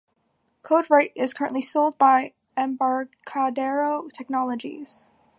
CodeWright is currently sold by Embarcadero Technologies.